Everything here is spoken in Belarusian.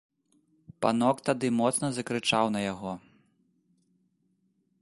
Панок тады моцна закрычаў на яго.